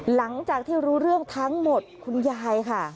หลังจากที่รู้เรื่องทั้งหมดคุณยายค่ะ